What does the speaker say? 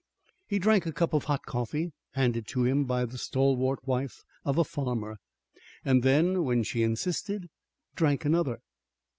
He drank a cup of hot coffee handed to him by the stalwart wife of a farmer, and then, when she insisted, drank another.